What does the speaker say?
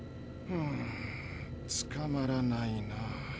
うんつかまらないな。